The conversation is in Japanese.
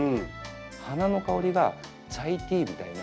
花の香りがチャイティーみたいな。